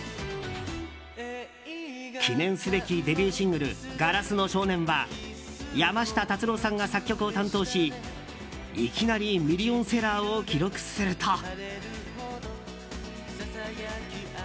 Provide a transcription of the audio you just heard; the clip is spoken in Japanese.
記念すべきデビューシングル「硝子の少年」は山下達郎さんが作曲を担当しいきなりミリオンセラーを記録すると。